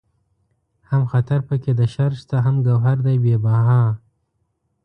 هم خطر پکې د شر شته هم گوهر دئ بې بها